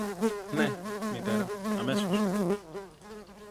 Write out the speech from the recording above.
Ναι, Μητέρα, αμέσως.